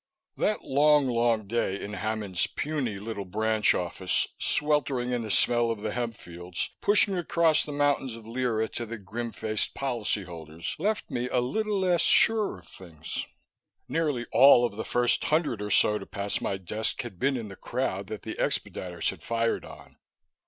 That long, long day in Hammond's puny little branch office, sweltering in the smell of the hemp fields, pushing across the mountains of lire to the grim faced policyholders left me a little less sure of things. Nearly all of the first hundred or so to pass my desk had been in the crowd that the expediters had fired on.